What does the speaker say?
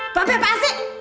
mbak be apa asik